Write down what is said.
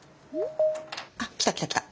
あっ来た来た来た。